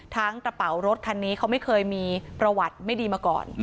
กระเป๋ารถคันนี้เขาไม่เคยมีประวัติไม่ดีมาก่อน